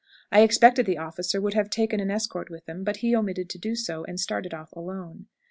I expected the officer would have taken an escort with him, but he omitted to do so, and started off alone.